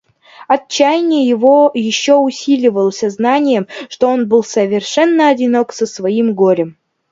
Отчаяние его еще усиливалось сознанием, что он был совершенно одинок со своим горем.